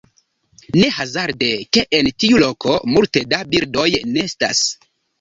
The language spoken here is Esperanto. Ne hazarde, ke en tiu loko multe da birdoj nestas.